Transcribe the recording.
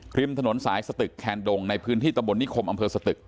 กลิ้มถนนสายศตึกแค่นดงในพื้นที่ตะบลนิคมอศตึก